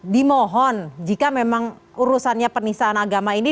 dimohon jika memang urusannya penistaan agama ini